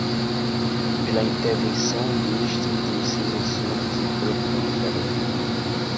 pela intervenção deste em seus assuntos e pela corveia